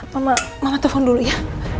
mama mama telpon dulu ya